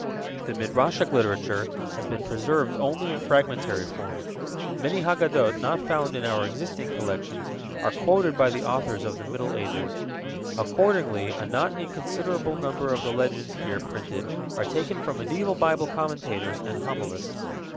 The Midrashic literature has been preserved only in fragmentary form. Many Haggadot not found in our existing collections are quoted by the authors of the Middle Ages. Accordingly, a not inconsiderable number of the legends here printed are taken from medieval Bible commentators and homilists.